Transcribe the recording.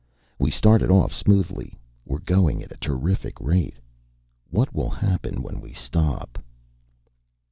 We started off smoothly. We're going at a terrific rate. _What will happen when we stop?